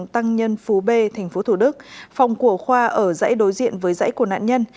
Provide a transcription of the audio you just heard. tăng nhân phú b tp thủ đức phòng của khoa ở dãy đối diện với dãy của nạn nhân